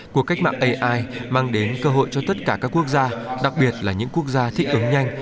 cuộc cách mạng ai mang đến cơ hội cho tất cả các quốc gia đặc biệt là những quốc gia thích ứng nhanh